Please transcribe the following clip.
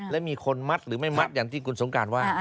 และมีคนมัดหรือไม่มัดอย่างที่คุณสงการว่า